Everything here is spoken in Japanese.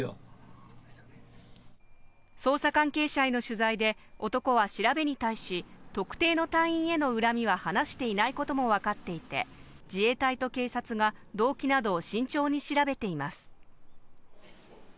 捜査関係者への取材で、男は調べに対し、特定の隊員への恨みは話していないことも分かっていて、自衛隊と警察が動機などを慎重に調べています。